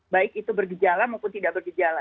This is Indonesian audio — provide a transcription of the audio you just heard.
baik itu bergejala maupun tidak bergejala